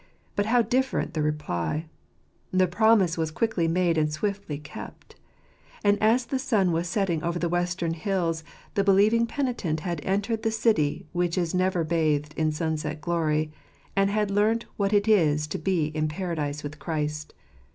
But how different the reply ! The pro I mise was quickly made and swiftly kept And as the sun I was setting over the western hills, the believing penitent had entered the city which is never bathed in sunset gloiy, and had learnt what it is to be in Paradise with Christ.